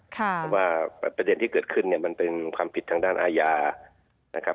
เพราะว่าประเด็นที่เกิดขึ้นเนี่ยมันเป็นความผิดทางด้านอาญานะครับ